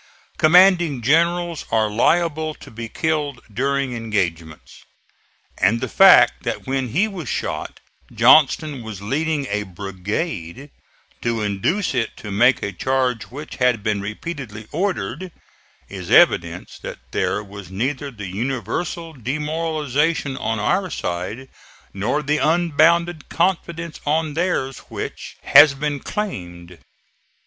Commanding generals are liable to be killed during engagements; and the fact that when he was shot Johnston was leading a brigade to induce it to make a charge which had been repeatedly ordered, is evidence that there was neither the universal demoralization on our side nor the unbounded confidence on theirs which has been claimed.